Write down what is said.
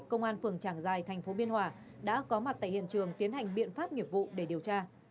công an phường tràng giài tp biên hòa đã có mặt tại hiện trường tiến hành biện pháp nghiệp vụ để điều tra